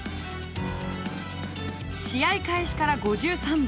試合開始から５３秒。